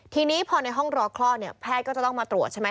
ทีนี้พอในห้องรอคลอดเนี่ยแพทย์ก็จะต้องมาตรวจใช่ไหม